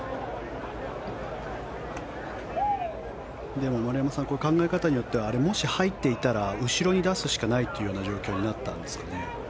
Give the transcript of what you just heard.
でも丸山さん考え方によってはもし入っていたら後ろに出すしかないということですか。